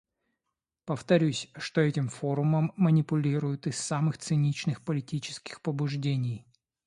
Повторюсь, что этим форумом манипулируют из самых циничных политических побуждений.